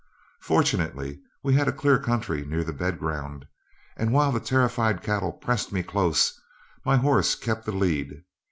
Fortunately we had a clear country near the bed ground, and while the terrified cattle pressed me close, my horse kept the lead.